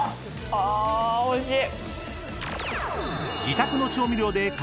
あおいしい！